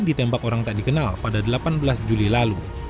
ditembak orang tak dikenal pada delapan belas juli lalu